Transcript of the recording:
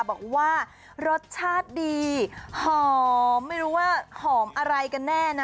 บอกว่ารสชาติดีหอมไม่รู้ว่าหอมอะไรกันแน่นะ